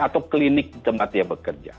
atau klinik di tempat dia bekerja